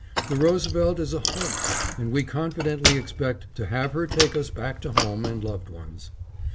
The Roosevelt is a "Homer" and we confidently expect to have her take us back to home and loved ones.